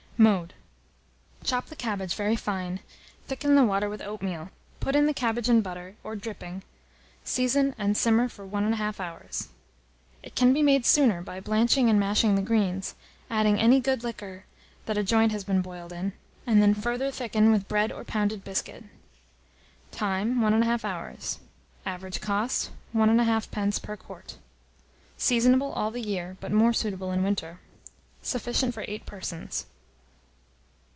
Mode. Chop the cabbage very fine, thicken the water with oatmeal, put in the cabbage and butter, or dripping; season and simmer for 1 1/2 hour. It can be made sooner by blanching and mashing the greens, adding any good liquor that a joint has been boiled in, and then further thicken with bread or pounded biscuit. Time 1 1/2 hour. Average cost, 1 1/2d. per quart. Seasonable all the year, but more suitable in winter. Sufficient for 8 persons.